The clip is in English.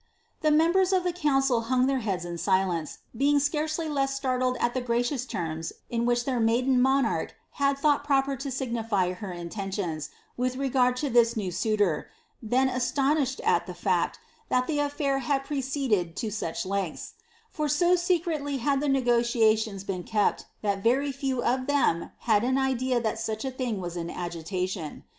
The members of the council hung their heads in silence, being scarce Ivless startled at the gracious terms in which their maiden monarch had ihoaght proper to signify her intentions, with reganl to this new suitor, than astonished at the fact, that the atlair had proceeded to such lengths ; for so secretly had the negotiations been kept, that very few of them had an idea that such a thing was in agitation.